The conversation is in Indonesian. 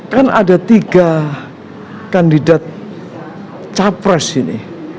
kan ada tiga kandidat capres ini